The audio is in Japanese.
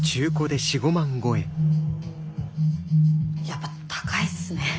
やっぱ高いっすね。